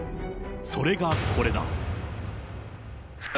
それがこれだ。